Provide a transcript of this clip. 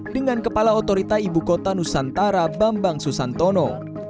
dengan kepala otorita ibu kota nusantara bambang susantono